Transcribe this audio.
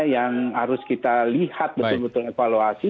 yang harus kita lihat betul betul evaluasi